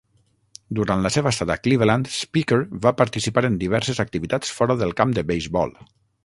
Durant la seva estada a Cleveland, Speaker va participar en diverses activitats fora del camp de beisbol.